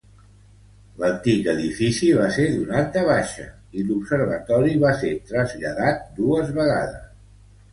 L'antic edifici va ser donat de baixa i l'observatori va ser traslladat dues vegades.